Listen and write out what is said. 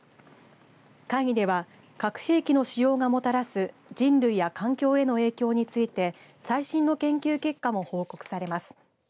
会議では核兵器の使用がもたらす人類や環境への影響について最新の研究結果も報告されます。